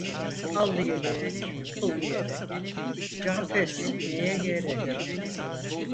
Allı yelek, pullu yelek, canfes neye gerek?